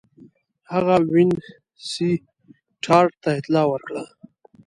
هغه وینسیټارټ ته اطلاع ورکړه.